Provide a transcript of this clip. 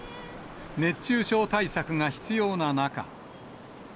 熱中症対策が必要な中。